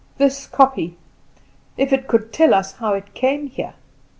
This kopje, if it could tell us how it came here!